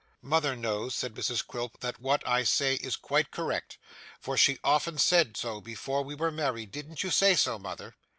'Mother knows,' said Mrs Quilp, 'that what I say is quite correct, for she often said so before we were married. Didn't you say so, mother?